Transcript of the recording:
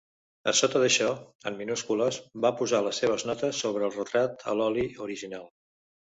A sota d'això, en minúscules, va posar les seves notes sobre el retrat a l'oli original.